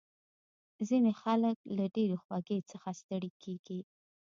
ځینې خلک له ډېرې خوږې څخه ستړي کېږي.